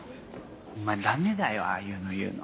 お前ダメだよああいうの言うの。